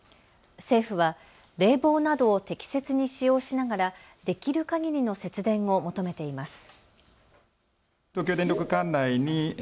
政府は冷房などを適切に使用しながらできるかぎりの節電を求めています。